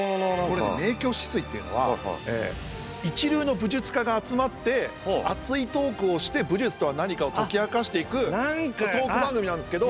これ「明鏡止水」っていうのは一流の武術家が集まって熱いトークをして武術とは何かを解き明かしていくトーク番組なんですけど。